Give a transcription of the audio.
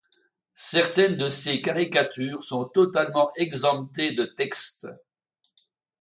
Certaines de ses caricatures sont totalement exemptées de texte.